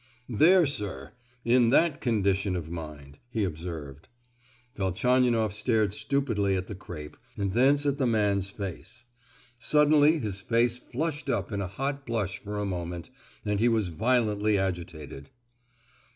"There, sir, in that condition of mind!" he observed. Velchaninoff stared stupidly at the crape, and thence at the man's face. Suddenly his face flushed up in a hot blush for a moment, and he was violently agitated.